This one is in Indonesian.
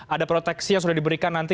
ada proteksi yang sudah diberikan nanti